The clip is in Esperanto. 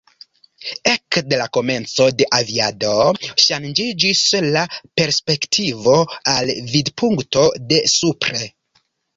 Ekde la komenco de aviado, ŝanĝiĝis la perspektivo al vidpunkto de supre.